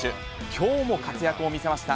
きょうも活躍を見せました。